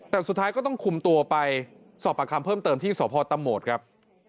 แต่สุดท้ายก็ต้องคุมตัวไปสอบประคำเพิ่มเติมที่สพตะโหมดครับ